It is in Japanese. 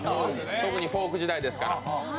特にフォーク時代ですから。